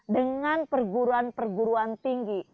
dengan perguruan perguruan tinggi